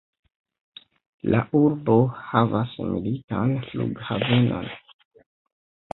La urbo havas militan flughavenon.